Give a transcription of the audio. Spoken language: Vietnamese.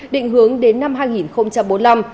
định hướng đến năm hai nghìn bốn mươi năm